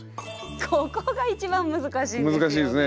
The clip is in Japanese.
ここが一番難しいんですよね。